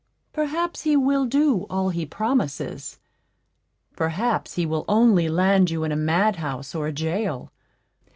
Perhaps he will do all he promises; perhaps he will only land you in a madhouse or a jail.